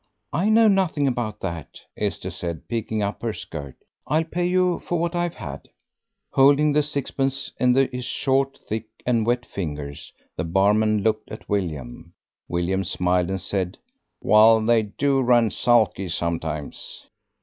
"I know nothing about that," Esther said, picking up her skirt; "I'll pay you for what I have had." Holding the sixpence in his short, thick, and wet fingers, the barman looked at William. William smiled, and said, "Well, they do run sulky sometimes."